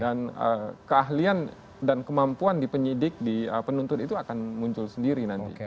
dan keahlian dan kemampuan di penyidik di penuntut itu akan muncul sendiri nanti